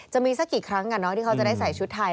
จะมีสักกี่ครั้งที่เขาจะได้ใส่ชุดไทย